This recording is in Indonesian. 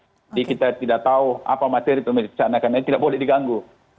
jadi kita tidak tahu apa materi pemeriksaan akan ada tidak boleh diganggu